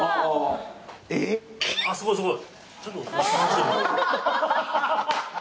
すごいすごい！